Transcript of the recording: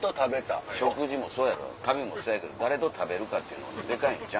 食事もそうやろ旅もそうやけど誰と食べるかっていうのもデカいんちゃう？